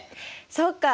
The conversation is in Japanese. そっか。